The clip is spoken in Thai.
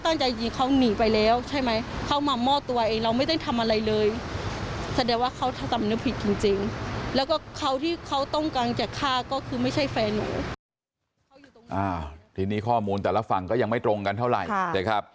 ทีนี้ข้อมูลแต่ละฝั่งก็ยังไม่ตรงกันเท่าไหร่นะครับ